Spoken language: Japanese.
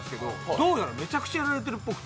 どうやらめちゃくちゃやられているらしくて。